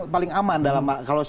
paling aman kalau secara di atas kertas